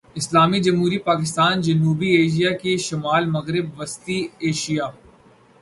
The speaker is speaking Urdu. اسلامی جمہوریہ پاکستان جنوبی ایشیا کے شمال مغرب وسطی ایشیا